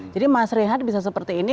jadi mas rehan bisa seperti ini